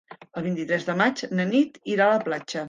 El vint-i-tres de maig na Nit irà a la platja.